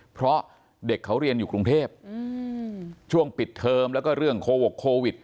เพราะเด็กเขาเรียนอยู่กรุงเทพช่วงปิดเทอมแล้วก็เรื่องโควิด